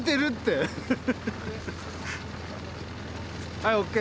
はいＯＫ